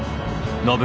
暢子！